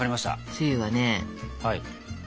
つゆはね